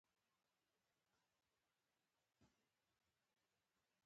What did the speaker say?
ایا کله مو شری درلوده؟